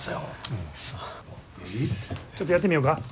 ちょっとやってみよか。